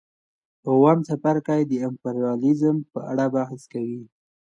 اووم څپرکی د امپریالیزم په اړه بحث کوي